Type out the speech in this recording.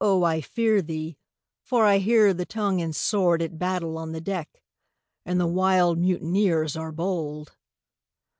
I fear thee, for I hear the tongue and sword At battle on the deck, and the wild mutineers are bold!